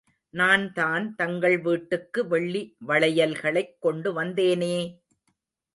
நான்தான் தங்கள் வீட்டுக்கு வெள்ளி வளையல்களைக் கொண்டு வந்தேனே!